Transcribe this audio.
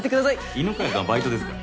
犬飼君はバイトですから。